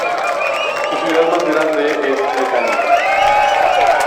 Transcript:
Su ciudad más grande es Netanya.